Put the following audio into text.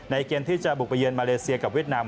เกมที่จะบุกไปเยือนมาเลเซียกับเวียดนาม